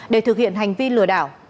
để thực hiện hành vi lừa đảo